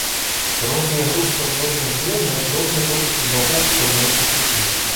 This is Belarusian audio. Розныя групы пазваночных жывёл маюць розную колькасць пазванкоў у пазваночным слупе.